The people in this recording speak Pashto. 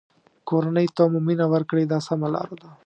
کورنۍ ته مو مینه ورکړئ دا سمه لاره ده.